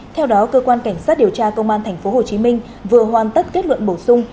theo đó cơ quan cảnh sát điều tra công an tp hcm vừa hoàn tất kết luận bổ sung